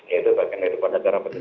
ya itu bagian dari kota darabat